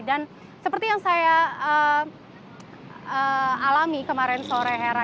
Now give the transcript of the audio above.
dan seperti yang saya alami kemarin sore hera